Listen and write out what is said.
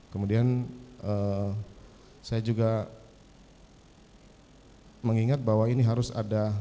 kemudian saya juga mengingat bahwa ini harus ada tembakan dari ini ya mulia